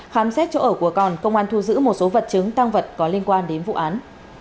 khám xét chỗ ở của còn công an thu giữ một số vật chứng tăng vật có liên quan đến vụ án